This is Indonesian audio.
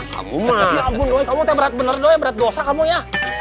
kamu mah kamu udah berat bener doi berat dosa kamu ya